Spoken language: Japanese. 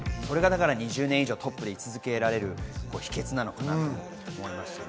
２０年以上トップで居続けられる秘訣なのかなと思いました。